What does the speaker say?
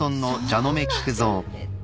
えっ？